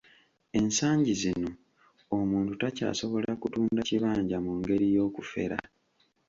Ensangi zino omuntu takyasobola kutunda kibanja mu ngeri y'okufera.